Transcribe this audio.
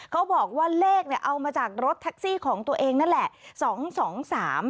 เขาบอกว่าเลขเอามาจากรถแท็กซี่ของตัวเองนั่นแหละ